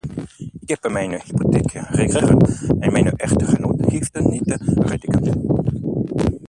Ik heb mijn hypotheek gekregen en mijn echtgenoot heeft niet getekend.